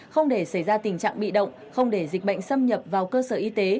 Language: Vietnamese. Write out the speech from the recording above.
không để xảy ra tình trạng bị động không để dịch bệnh xâm nhập vào cơ sở y tế